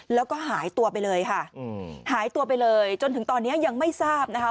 แล้วก็หายตัวไปเลยค่ะหายตัวไปเลยจนถึงตอนนี้ยังไม่ทราบนะคะ